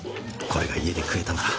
これが家で食えたなら。